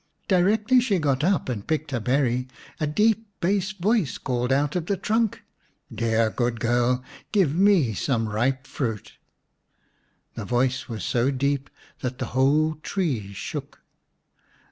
Directly she got up and picked a berry a deep bass voice called out of the trunk :" Dear good girl, give me some ripe fruit." The voice was so deep that the whole tree shook.